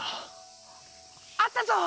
あったぞ！